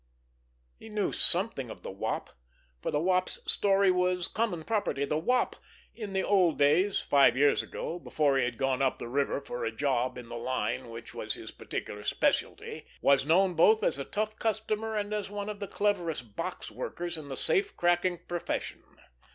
He knew something of the Wop, for the Wop's story was common property. The Wop, in the old days, five years ago, before he had gone "up the river" for a "job" in the line which was his particular specialty, was known both as a tough customer and as one of the cleverest "box workers" in the safe cracking profession.